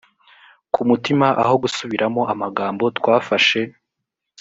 ku mutima aho gusubiramo amagambo twafashe